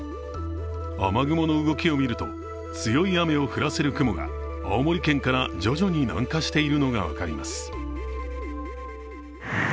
雨雲の動きを見ると、強い雨を降らせる雲が青森県から徐々に南下しているのが分かります。